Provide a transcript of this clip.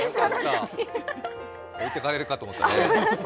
置いていかれるかと思ったね。